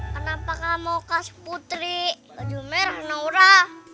kenapa kamu kasih putri baju merah nora